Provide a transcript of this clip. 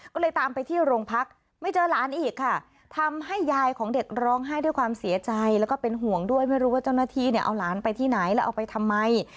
ก็เลยตามไปที่โรงพักไม่เจอหลานอีกค่ะทำให้ยายของเด็กร้องไห้ด้วยความเสียใจแล้วก็เป็นห่วงด้วยไม่รู้ว่าเจ้าหน้าที่เนี่ยเอาหลานไปที่ไหนแล้วเอาไปทำไม